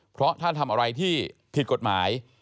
เพราะถ้าทำอะไรที่ผิดกฎหมาย